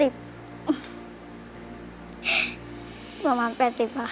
ประมาณ๘๐บาท